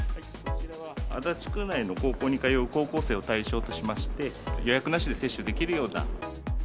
足立区内の高校に通う高校生を対象としまして、予約なしで接種できるような。